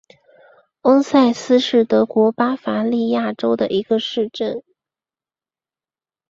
翁塞斯是德国巴伐利亚州的一个市镇。